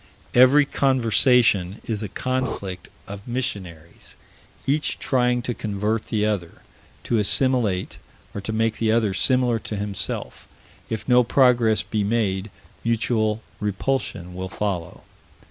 Every conversation is a conflict of missionaries, each trying to convert the other, to assimilate, or to make the other similar to himself. If no progress be made, mutual repulsion will follow.